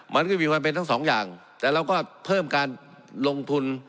มันก็มีความเป็นทั้งสองอย่างแต่เราก็เพิ่มการลงทุน